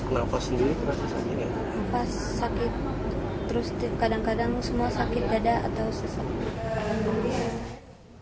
sementara usai menjalani pemeriksaan rencananya tim dokter rumah sakit hasan sadikin